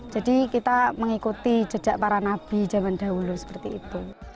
jadi kita mengikuti jejak para nabi zaman dahulu seperti itu